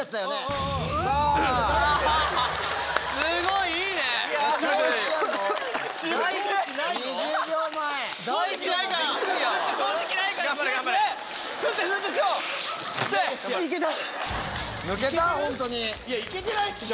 いや行けてないでしょ！